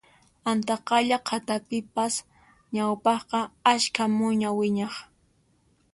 Antaqalla qhatapipas ñawpaqqa ashka muña wiñaq